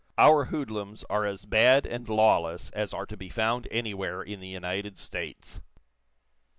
Our hoodlums are as bad and lawless as are to be found anywhere in the United States."